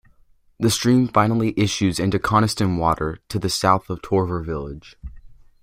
The stream finally issues into Coniston Water to the south of Torver village.